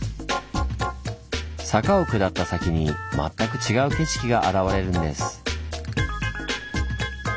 坂を下った先に全く違う景色が現れるんです。